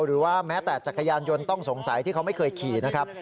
หรือว่าแม้แต่จักรยานยนต์ต้องสงสัยที่เขาไม่เคยขี่นะครับ